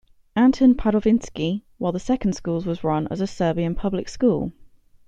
Antun Padovinski, while the second schools was run as a Serbian Public School.